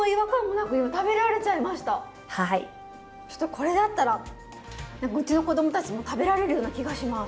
これだったら何かうちの子供たちも食べられるような気がします。